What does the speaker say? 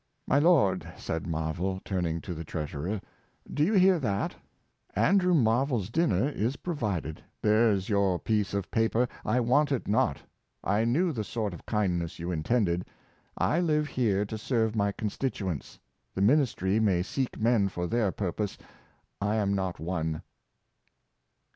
'' My lord, said Marvell, turning to the treasurer, " do you hear that? Andrew Marvell 's dinner is provided; there's your piece of paper. I want it not. I knew the sort of kindness you intended. I live here to serve my constituents; the ministry may seek men for their purpose; I am not one."